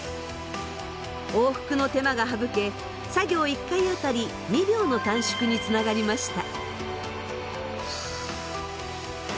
往復の手間が省け作業１回当たり２秒の短縮につながりました。